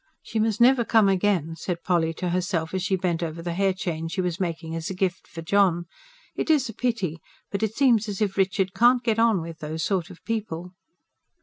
"She must never come again," said Polly to herself, as she bent over the hair chain she was making as a gift for John. "It is a pity, but it seems as if Richard can't get on with those sort of people."